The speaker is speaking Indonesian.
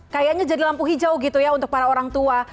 kayaknya jadi lampu hijau gitu ya untuk para orang tua